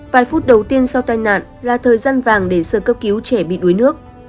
vài phút đầu tiên sau tai nạn là thời gian vàng để sơ cấp cứu trẻ bị đuối nước